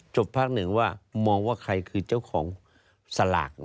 พักหนึ่งว่ามองว่าใครคือเจ้าของสลาก